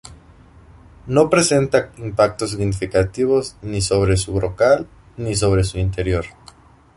No presenta impactos significativos ni sobre su brocal ni sobre su interior.